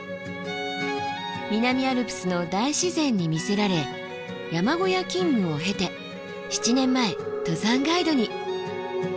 南アルプスの大自然に魅せられ山小屋勤務を経て７年前登山ガイドに。